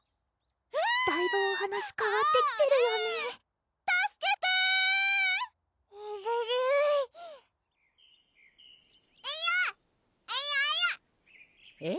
だいぶお話かわってきてるよねたすけてえるるえるぅ！えるえる！